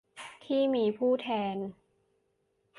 ที่มีผู้แทน